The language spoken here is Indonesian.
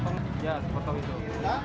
ya sepotong itu